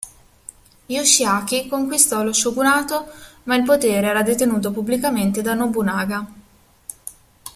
Yoshiaki conquistò lo shogunato ma il potere era detenuto pubblicamente da Nobunaga.